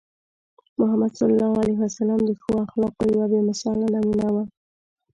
محمد صلى الله عليه وسلم د ښو اخلاقو یوه بې مثاله نمونه وو.